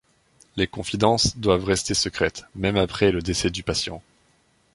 Les confidences doivent rester secrètes, même après le décès du patient.